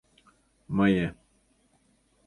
Мые...